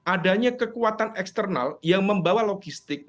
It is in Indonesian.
adanya kekuatan eksternal yang membawa logistik